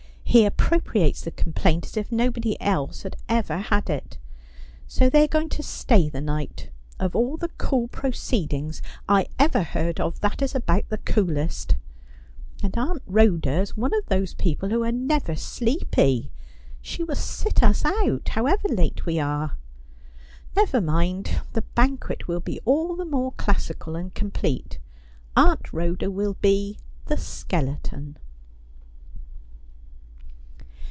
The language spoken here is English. ' He appropriates the complaint as if nobody else had ever had it. So they are going to stay the night ! Of all the cool proceedings I ever ^Love wol not he Constreined by Maistrie.' 201 heard of that is about the coolest. And Aunt Rhoda is one of those people who are never sleepy. She will sit us out, how ever late we are. Never mind. The banquet will be all the more classical and complete. Aunt Rhoda will be the skeleton.'